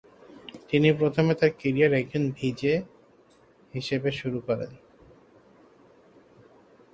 তিনি প্রথমে তার ক্যারিয়ার একজন ভিজে হিসেবে শুরু করেন।